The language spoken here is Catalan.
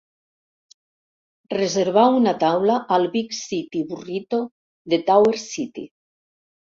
reservar una taula al Big City Burrito de Tower City